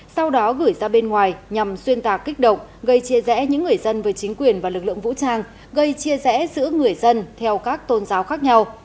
sau đó gửi ra bên ngoài nhằm xuyên tạc kích động gây chia rẽ những người dân với chính quyền và lực lượng vũ trang gây chia rẽ giữa người dân theo các tôn giáo khác nhau